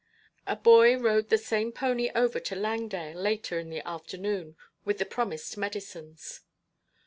A boy rode the same pony over to Langdale later in the afternoon with the promised medicines.